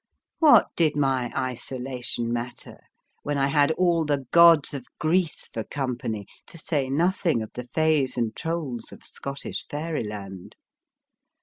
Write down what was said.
What did my isolation matter, when I had all the gods of Greece for company, to say nothing of the fays and trolls of Scottish Fairyland